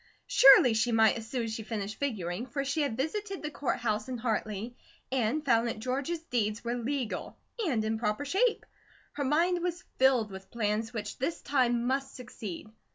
Surely she might as soon as she finished figuring, for she had visited the Court House in Hartley and found that George's deeds were legal, and in proper shape. Her mind was filled with plans which this time must succeed.